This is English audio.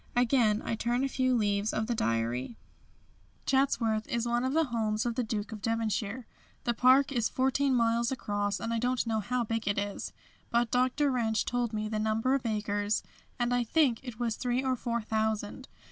Again I turn a few leaves of the diary: "Chatsworth is one of the homes of the Duke of Devonshire. The park is fourteen miles across and I don't know how big it is, but Dr. Wrench told me the number of acres, and I think it was three or four thousand.